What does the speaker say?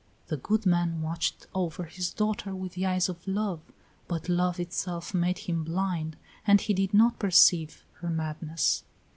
The good man watched over his daughter with the eyes of love, but love itself made him blind and he did not perceive her madness.